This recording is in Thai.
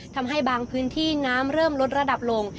ทำให้บางพื้นที่น้ำเริ่มลดระดับลง